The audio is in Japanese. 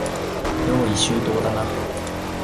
用意周到だな。